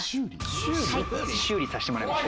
修理さしてもらいます。